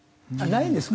ないんですか？